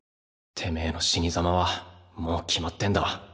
てめぇの死に様はもう決まってんだ。